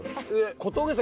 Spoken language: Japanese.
小峠さん